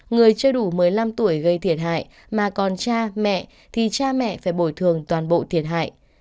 người chưa đủ một mươi năm tuổi gây thiệt hại mà còn cha mẹ thì cha mẹ phải bồi thường toàn bộ thiệt hại